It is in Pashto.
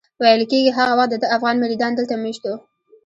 ویل کېږي هغه وخت دده افغان مریدان دلته مېشت وو.